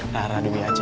rara demi aja